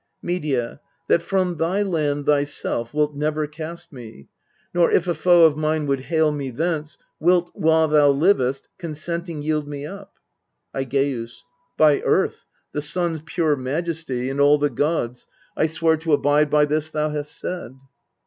Medea. That from thy land thyself wilt never cast me, Nor, if a foe of mine would hale me thence, Wilt, while thou liv'st, consenting yield me up. Aigeus. By Earth, the Sun's pure majesty, and all The Gods, I swear to abide by this thou hast said.